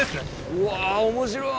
うわ面白い。